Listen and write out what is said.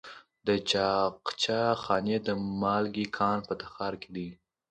د طاقچه خانې د مالګې کان په تخار کې دی.